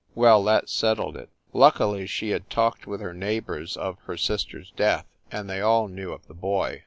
Well, that settled it. Luckily she had talked with her neighbors of her sister s death, and they all knew of the boy.